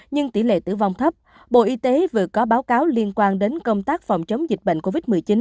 nhưng tỷ lệ tử vong thấp bộ y tế vừa có báo cáo liên quan đến công tác phòng chống dịch bệnh covid một mươi chín